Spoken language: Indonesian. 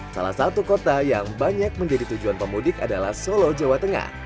salah satu kota yang banyak menjadi tujuan pemudik adalah solo jawa tengah